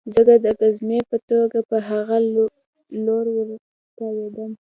زه د ګزمې په توګه په هغه لور ورتاوېدم